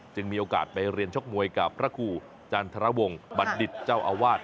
มีโอกาสไปเรียนชกมวยกับพระครูจันทรวงศ์บัณฑิตเจ้าอาวาส